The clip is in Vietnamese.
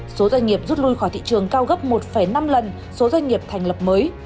số doanh nghiệp rút lui khỏi thị trường cao gấp một năm lần số doanh nghiệp thành lập mới